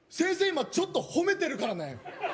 今ちょっと褒めてるからね